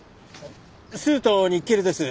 スズとニッケルです。